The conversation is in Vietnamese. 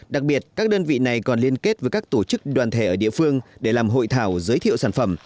đặc biệt các đơn vị này còn liên kết với các tổ chức đoàn thể ở địa phương để làm hội thảo giới thiệu sản phẩm